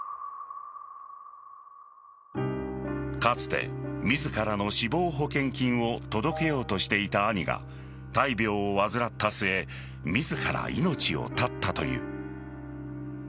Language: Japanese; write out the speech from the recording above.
かつて自らの死亡保険金を届けようとしていた兄が大病を患った末自ら命を絶ったという。